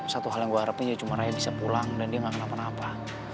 satu hal yang gue harapin ya cuma raya bisa pulang dan dia gak kenapa napa